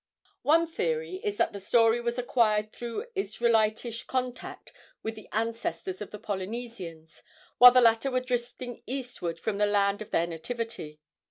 One theory is that the story was acquired through Israelitish contact with the ancestors of the Polynesians while the latter were drifting eastward from the land of their nativity.